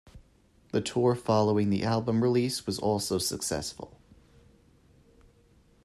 The tour following the album release was also successful.